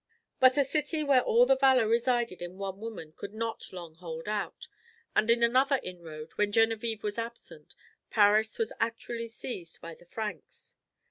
But a city where all the valor resided in one woman could not long hold out, and in another inroad, when Genevieve was absent, Paris was actually seized by the Franks.